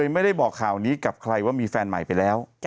ไม่ได้บอกข่าวนี้กับใครว่ามีแฟนใหม่ไปแล้ว